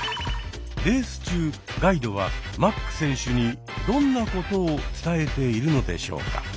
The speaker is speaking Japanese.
レース中ガイドはマック選手にどんなことを伝えているのでしょうか。